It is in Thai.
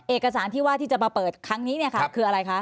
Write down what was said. เอกสารที่ว่าที่จะมาเปิดครั้งนี้คืออะไรคะ